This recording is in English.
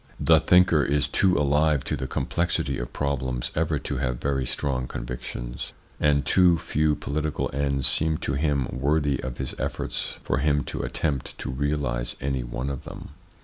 The thinker is too alive to the complexity of problems ever to have very strong convictions, and too few political ends seem to him worthy of his efforts for him to attempt to realise any one of them.